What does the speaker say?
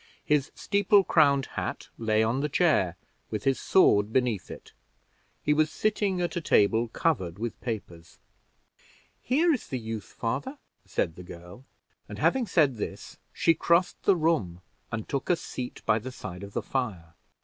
His steeple crowned hat lay on the chair, with his sword beneath it. He was sitting at a table covered with papers. "Here is the youth, father," said the girl; and having said this, she crossed the room and took a seat by the side of the fire.